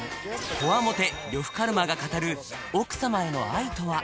こわもて呂布カルマが語る奥様への愛とは？